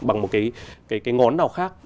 bằng một cái ngón nào khác